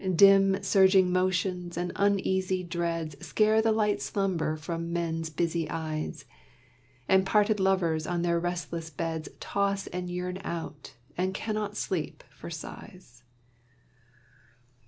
Dim surging motions and uneasy dreads Scare the light slumber from men's busy eyes, And parted lovers on their restless beds Toss and yearn out, and cannot sleep for sighs.